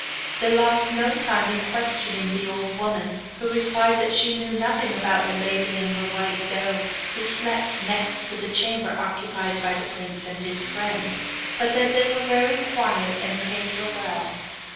They lost no time in questioning the old woman, who replied that she knew nothing about the lady and her white doe, who slept next the chamber occupied by the prince and his friend, but that they were very quiet, and paid her well.